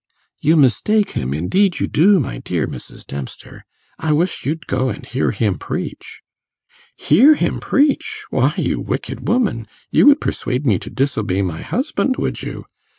'You mistake him, indeed you do, my dear Mrs. Dempster; I wish you'd go and hear him preach.' 'Hear him preach! Why, you wicked woman, you would persuade me to disobey my husband, would you?